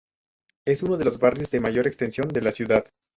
Es uno de los barrios de mayor extensión de la ciudad.